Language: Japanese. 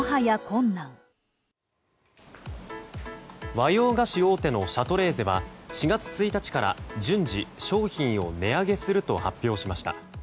和洋菓子大手のシャトレーゼは４月１日から順次、商品を値上げすると発表しました。